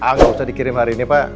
ah nggak usah dikirim hari ini pak